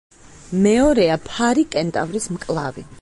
მეორეა ფარი-კენტავრის მკლავი.